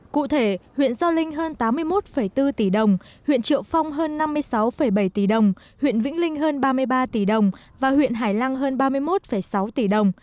cụ thể huyện gio linh hơn tám mươi một bốn tỷ đồng huyện triệu phong hơn năm mươi sáu bảy tỷ đồng huyện vĩnh linh hơn ba mươi ba tỷ đồng và huyện hải lăng hơn ba mươi một sáu tỷ đồng